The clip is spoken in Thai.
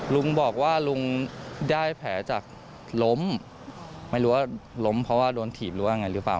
ลุงบอกว่าลุงได้แผลจากล้มไม่รู้ว่าล้มเพราะว่าโดนถีบหรือว่าไงหรือเปล่า